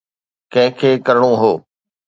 ڪنهن کي ڪرڻو هو؟